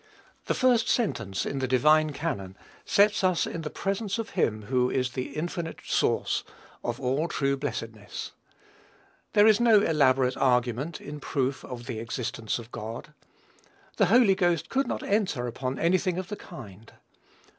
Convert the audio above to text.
The first sentence in the divine canon sets us in the presence of him who is the infinite source of all true blessedness. There is no elaborate argument in proof of the existence of God. The Holy Ghost could not enter upon any thing of the kind.